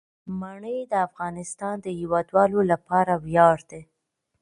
منی د افغانستان د هیوادوالو لپاره ویاړ دی.